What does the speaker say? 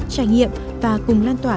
trải nghiệm và cùng lan tỏa